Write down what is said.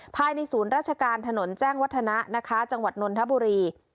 ภายในศูนย์ราชการถนนแจ้งวัฒนะนะคะจังหวัดนนทบุรี